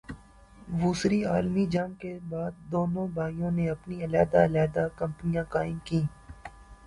وسری عالمی جنگ کے بعد دونوں بھائیوں نے اپنی علیحدہ علیحدہ کمپنیاں قائم کیں-